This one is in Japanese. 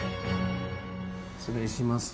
失礼します